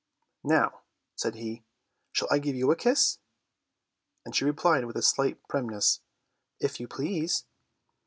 "Now," said he, "shall I give you a kiss?" and she replied with a slight primness, "If you please."